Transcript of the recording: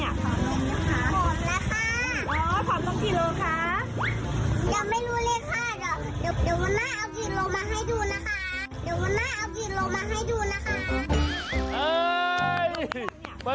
ยังไม่รู้เลยค่ะเดี๋ยวโม้นไมาอให้ดูนะคะ